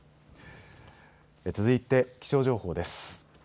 続いて気象情報です。